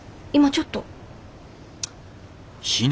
今ちょっと。